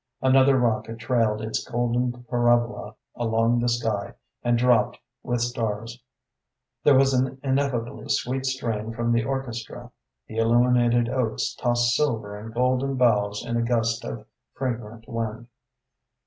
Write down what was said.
Another rocket trailed its golden parabola along the sky, and dropped with stars; there was an ineffably sweet strain from the orchestra; the illuminated oaks tossed silver and golden boughs in a gust of fragrant wind.